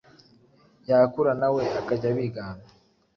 yakura nawe akajya abigana